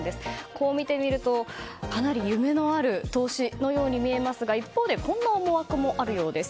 こう見てみると、かなり夢のある投資のように見えますが一方でこんな思惑もあるようです。